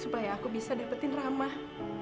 supaya aku bisa dapetin ramah